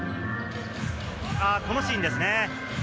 このシーンですね。